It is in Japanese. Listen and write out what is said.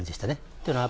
というのも、